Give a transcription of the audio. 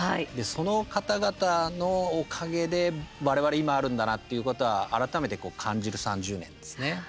その方々のおかげで、我々今あるんだなっていうことは改めて感じる３０年ですね。